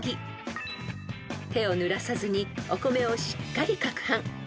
［手をぬらさずにお米をしっかりかくはん］